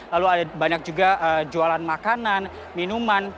lalu ada banyak juga jualan makanan minuman